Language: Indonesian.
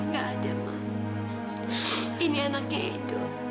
gak ada mak ini anaknya edo